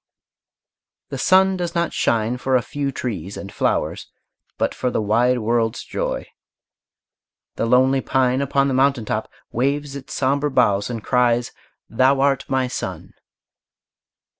The sun does not shine for a few trees and flowers, but for the wide world's joy. The lonely pine upon the mountain top waves its sombre boughs, and cries, "Thou art my sun."